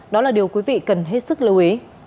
đó là điều quý vị cần hết sức lưu ý